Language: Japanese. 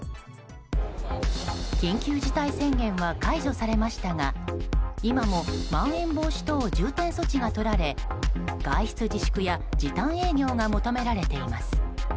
緊急事態宣言は解除されましたが今もまん延防止等重点措置がとられ外出自粛や時短営業が求められています。